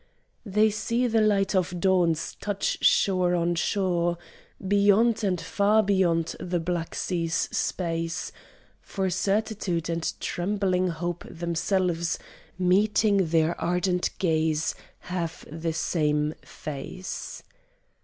They see the light of dawns touch shore on shore, Beyond and far beyond the black sea's space; For certitude and trembling hope themselves, Meeting their ardent gaze, have the same face.